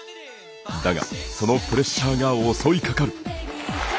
だが、そのプレッシャーが襲いかかる。